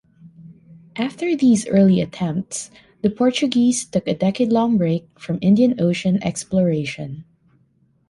After these early attempts, the Portuguese took a decade-long break from Indian Ocean exploration.